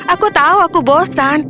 aku tahu aku bosan